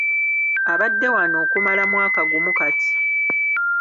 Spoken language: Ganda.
Abadde wano okumala mwaka gumu kati.